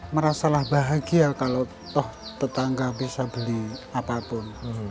merasalah bahagia kalau toh tetangga bisa beli apapun